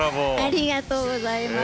ありがとうございます。